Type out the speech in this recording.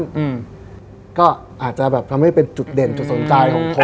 ตรงนี้มีร้านก็อาจจะทำให้เป็นจุดเด่นจุดสนใจของคน